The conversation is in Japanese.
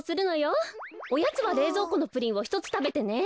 おやつはれいぞうこのプリンをひとつたべてね。